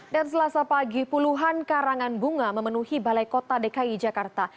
dan selasa pagi puluhan karangan bunga memenuhi balai kota dki jakarta